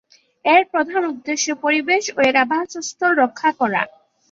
এর প্রধান উদ্দেশ্য পরিবেশ ও এর আবাসস্থল রক্ষা করা।